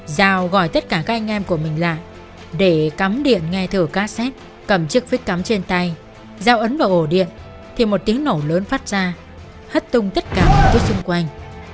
giao gọi tất cả các anh em của mình lại để cắm điện nghe thử cassette cầm chiếc phít cắm trên tay giao ấn vào ổ điện thì một tiếng nổ lớn phát ra hất tung tất cả những thứ xung quanh